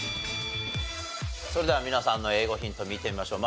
それでは皆さんの英語ヒント見てみましょう。